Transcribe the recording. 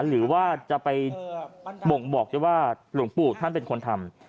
หรือว่าจะไปบ่งบอกได้ว่าหลวงปู่ท่านเป็นคนทำ